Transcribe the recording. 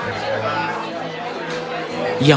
tidak tidak tidak